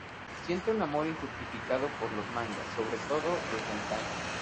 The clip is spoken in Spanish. Siente un amor injustificado por los mangas, sobre todo los de antaño.